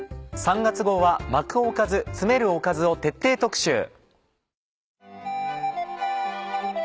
３月号は「巻くおかず、詰めるおかず」を徹底特集。